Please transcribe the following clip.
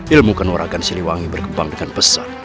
ilmu kenorakan siliwangi berkembang dengan besar